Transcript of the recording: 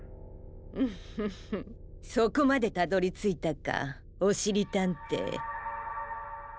フフフそこまでたどりついたかおしりたんてい。